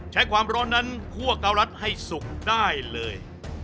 ใช้ความร้อนนั้นคั่วเการัดให้สุกได้เลย